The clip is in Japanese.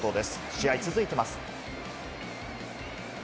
試合続いています。